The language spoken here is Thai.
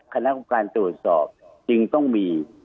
คณะกรรมการตรวจสอบจึงต้องมี